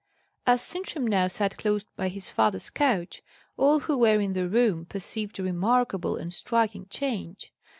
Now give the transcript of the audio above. As Sintram now sat close by his father's couch, all who were in the room perceived a remarkable and striking change.